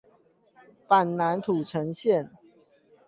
板南土城線